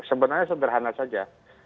sebenarnya sederhana saja